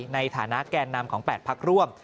ในฐานะแก่นำของ๘พักร่วม